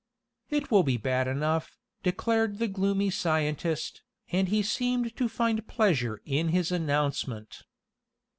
"It will be bad enough," declared the gloomy scientist, and he seemed to find pleasure in his announcement.